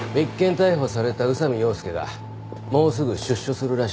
逮捕された宇佐美洋介がもうすぐ出所するらしい。